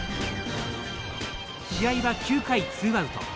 試合は９回ツーアウト。